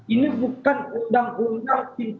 ini bukan undang undang